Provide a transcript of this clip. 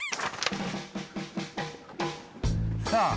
さあ